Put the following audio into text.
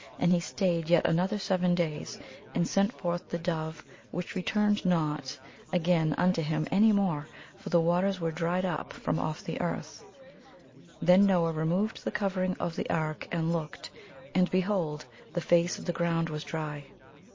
And he stayed yet another seven days and sent forth the dove, which returned not again unto him any more, for the waters were dried up from off the earth. Then Noah removed the covering of the ark and looked, and behold, the face of the ground was dry.